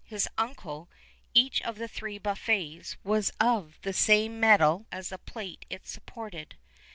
his uncle, each of the three buffets was of the same metal as the plate it supported.